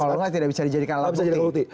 kalau nggak tidak bisa dijadikan alat putih